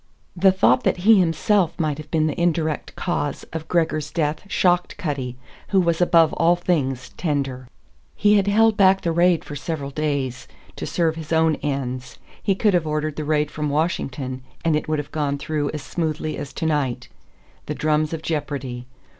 The thought that he himself might have been the indirect cause of Gregor's death shocked Cutty, who was above all things tender. He had held back the raid for several days, to serve his own ends. He could have ordered the raid from Washington, and it would have gone through as smoothly as to night. The drums of jeopardy.